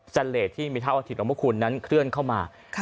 จันเลสที่มีท่าอาทิตย์หลวงพระคุณนั้นเคลื่อนเข้ามาค่ะ